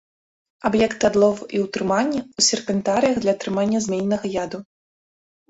Аб'екты адлову і ўтрымання ў серпентарыях для атрымання змяінага яду.